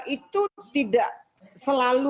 itu tidak selalu